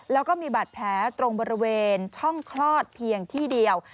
แล้วก็มีบาดแผลตรงบริเวณช่องคลอดเพียงที่เดียว